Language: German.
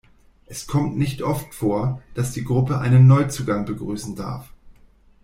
Es kommt nicht oft vor, dass die Gruppe einen Neuzugang begrüßen darf.